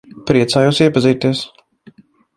Priecājos iepazīties.